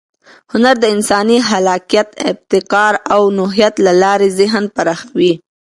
هنر د انساني خلاقیت، ابتکار او نوښت له لارې ذهن پراخوي.